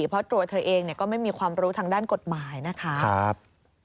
เพราะตัวเธอเองก็ไม่มีความรู้ทางด้านกฎหมายนะคะ